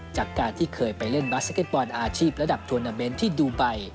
จากการที่เคยไปเล่นบาสเก็ตบอลอาชีพระดับทวนาเมนต์ที่ดูไบ